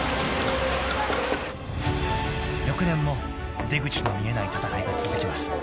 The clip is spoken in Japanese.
［翌年も出口の見えない戦いが続きます］